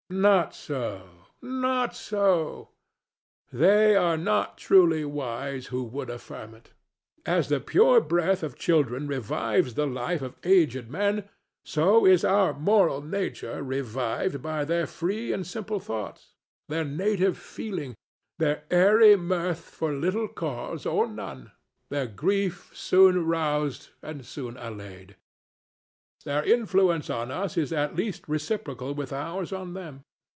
Not so—not so. They are not truly wise who would affirm it. As the pure breath of children revives the life of aged men, so is our moral nature revived by their free and simple thoughts, their native feeling, their airy mirth for little cause or none, their grief soon roused and soon allayed. Their influence on us is at least reciprocal with ours on them.